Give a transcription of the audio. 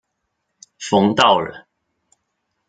冯道人。